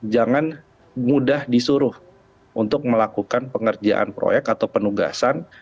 jangan mudah disuruh untuk melakukan pengerjaan proyek atau penugasan